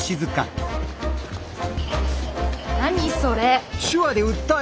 何それ？